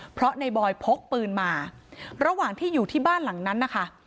เพราะในบอยพกปืนมาระหว่างที่อยู่ที่บ้านหลังนั้นนะคะ